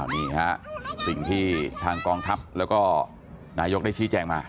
นี่ฮะสิ่งที่ทางกองทัพแล้วก็นายกได้ชี้แจงมา